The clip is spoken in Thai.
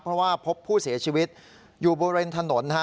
เพราะว่าพบผู้เสียชีวิตอยู่บริเวณถนนนะฮะ